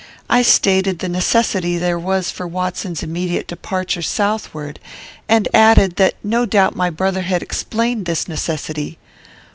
I stated the necessity there was for Watson's immediate departure southward, and added, that no doubt my brother had explained this necessity.